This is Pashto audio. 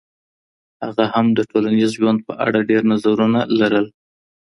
هغه هم د ټولنیز ژوند په اړه ډېر نظرونه لرل.